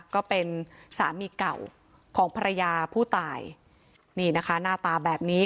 ก็เป็นสามีเก่าของภรรยาผู้ตายนี่นะคะหน้าตาแบบนี้